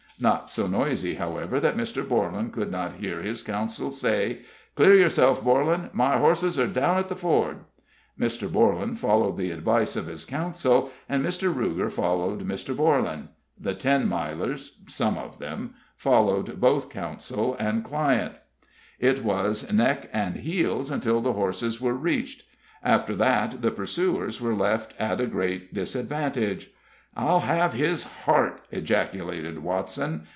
Not so noisy, however, that Mr. Borlan could not hear his counsel say: "Clear yourself, Borlan! My horses are down at the ford!" Mr. Borlan followed the advice of his counsel, and Mr. Ruger followed Mr. Borlan. The Ten Milers some of them followed both counsel and client. It was neck and heels until the horses were reached. After that the pursuers were left at a great disadvantage. "I'll have his heart!" ejaculated Watson.